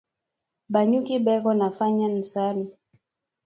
Ba nyuki beko nafanya nsari